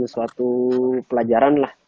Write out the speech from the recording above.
suatu pelajaran lah